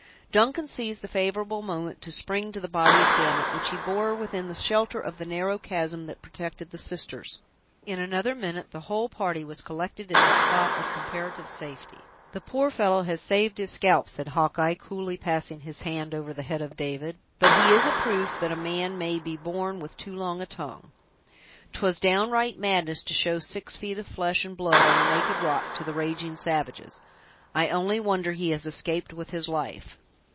Duncan seized the favorable moment to spring to the body of Gamut, which he bore within the shelter of the narrow chasm that protected the sisters. In another minute the whole party was collected in this spot of comparative safety. "The poor fellow has saved his scalp," said Hawkeye, coolly passing his hand over the head of David; "but he is a proof that a man may be born with too long a tongue! 'Twas downright madness to show six feet of flesh and blood, on a naked rock, to the raging savages. I only wonder he has escaped with life."